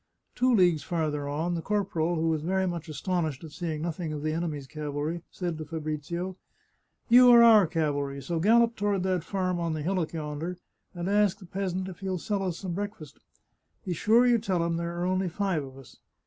Two leagues farther on the corporal, who was very much astonished at seeing nothing of the enemy's cavalry, said to Fabrizio :" You are our cavalry, so gallop toward that farm on the hillock yonder, and ask the peasant if he'll sell us some breakfast. Be sure you tell him there are only five of us.